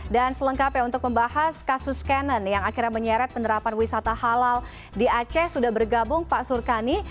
dan selengkapnya untuk membahas kasus kenan yang akhirnya menyeret penerapan wisata halal di aceh sudah bergabung pak surkani